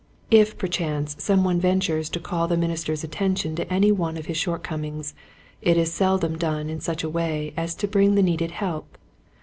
If, perchance, someone ventures to call the minister's attention to any one of his shortcomings, it is seldom done in such a way as to bring the needed help.